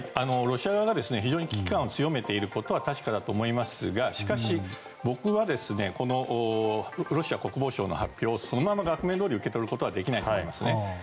ロシア側が非常に危機感を強めていることは確かだと思いますがしかし、僕はこのロシア国防省の発表をそのまま額面どおり受け取ることはできないと思いますね。